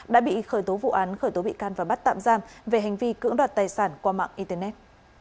đã bị khởi tố vụ án khởi tố bị can và bắt tạm giam về hành vi cưỡng đoạt tài sản qua mạng internet